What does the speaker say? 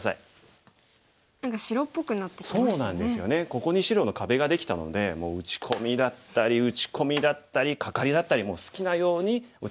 ここに白の壁ができたので打ち込みだったり打ち込みだったりカカリだったりもう好きなように打たれてしまう。